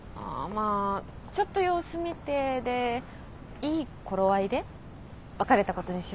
まあちょっと様子見てでいい頃合いで別れたことにしようかなと。